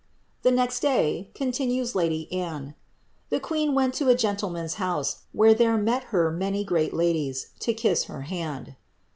^ The next day,'^ continues lady Anne, ^^ the queen went to a gentleman's house^ where there met her many great ladles, to kiss her hand."